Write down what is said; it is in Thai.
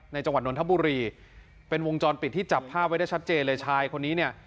จังหวัดนทบุรีเป็นวงจรปิดที่จับภาพไว้ได้ชัดเจนเลยชายคนนี้เนี่ย